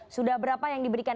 sudah berapa yang diberikan